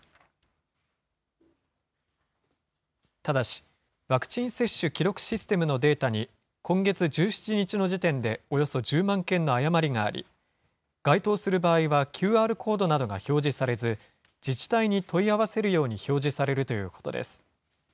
ただし、ワクチン接種記録システムのデータに、今月１７日の時点でおよそ１０万件の誤りがあり、該当する場合は、ＱＲコードなどが表示されず、自治体に問い合わせるように表示されるということです。